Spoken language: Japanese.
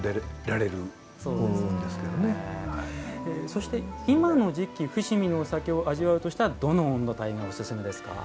そして今の時期伏見のお酒を味わうとしたらどの温度帯がおすすめですか？